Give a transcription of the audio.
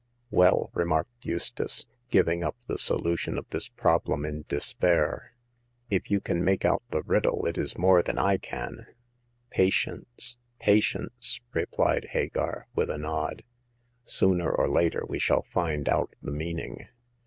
Well," remarked Eustace, giving up the solu tion of this problem in despair, if you can make out the riddle it is more than I can." " Patience, patience !" replied Hagar, with a nod. "Sooner or later we shall find out the meaning.